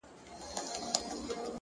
اراده د ستونزو د ماتولو لومړی ځواک دی!